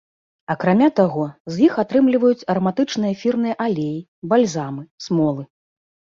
Акрамя таго, з іх атрымліваюць араматычныя эфірныя алеі, бальзамы, смолы.